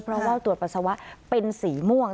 เพราะว่าตรวจปัสสาวะเป็นสีม่วง